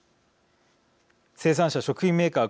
生産者食品メーカー